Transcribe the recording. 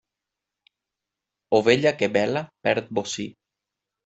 Ovella que bela perd bocí.